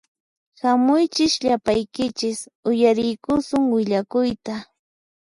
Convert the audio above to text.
Hamuychis llapaykichis uyariykusun willakuyta